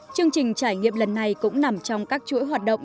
chương trình trải nghiệm lần này cũng nằm trong các chuỗi hoạt động